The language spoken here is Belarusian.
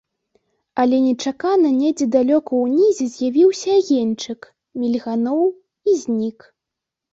Але нечакана недзе далёка ўнізе з'явіўся агеньчык, мільгануў і знік.